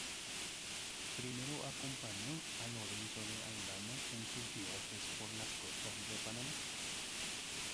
Primero acompañó a Lorenzo de Aldana en sus viajes por las costas de Panamá.